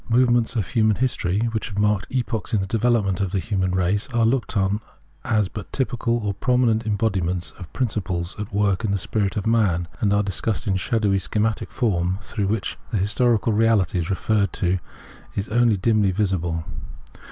Movements of human history which have marked epochs in the development of the human race are looked upon as but typical or prominent embodiments of principles at work in the spirit of man, and are discussed in shadowy, schematic form, through which the historical reality referred to is only dimly visible.